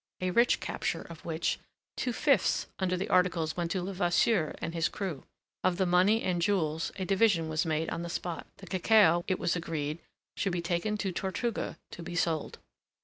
A rich capture of which two fifths under the articles went to Levasseur and his crew. Of the money and jewels a division was made on the spot. The cacao it was agreed should be taken to Tortuga to be sold.